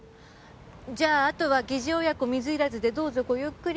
じゃああとは疑似親子水入らずでどうぞごゆっくり。